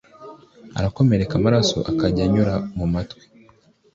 arakomereka amaraso akajya anyura mu matwi